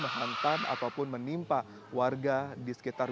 menghentang ataupun menimpa warga di sekitar wilayah